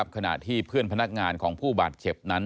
ขณะที่เพื่อนพนักงานของผู้บาดเจ็บนั้น